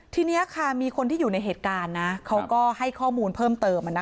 ทีนี้ค่ะมีคนที่อยู่ในเหตุการณ์นะเขาก็ให้ข้อมูลเพิ่มเติม